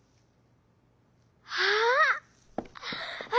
ああ！